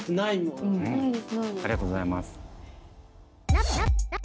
ありがとうございます。